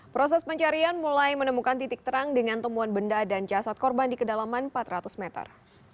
proses pencarian mulai menemukan titik terang dengan temuan benda dan jasad korban di kedalaman empat ratus meter